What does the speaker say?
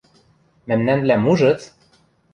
– Мӓмнӓнвлӓм ужыц?